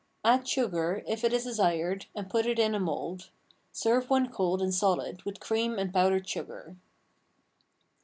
Add sugar, if it is desired, and put it in a mould. Serve when cold and solid with cream and powdered sugar.